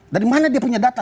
dari mana dia punya data